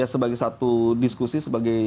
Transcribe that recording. sebagai satu diskusi sebagai